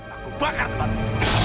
aku bakar tempatmu